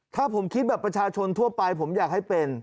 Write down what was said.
ถ้าผมคิดแบบประชาชนทั่วไปผมอยากให้เป็น